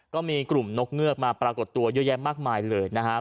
ก็มีกลุ่มนกเงือกมาปรากฏตัวเยอะแยะมากมายเลยนะครับ